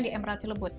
di emerald celebut